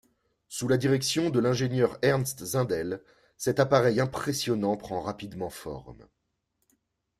Sous la direction de l’ingénieur Ernst Zindel, cet appareil impressionnant prend rapidement forme.